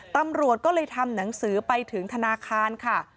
ตำรวจก็เลยทำหนังสือไปถึงธนาคารค่ะ